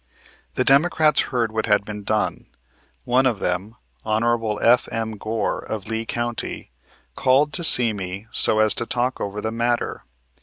The Democrats heard what had been done. One of them, Hon. F.M. Goar, of Lee County, called to see me so as to talk over the matter.